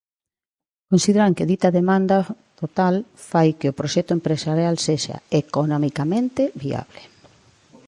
Consideran que dita demanda total fai que o proxecto empresarial sexa "economicamente viable".